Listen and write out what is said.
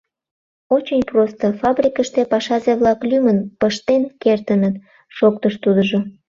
— Очень просто, фабрикыште пашазе-влак лӱмын пыштен кертыныт, — шоктыш тудыжо.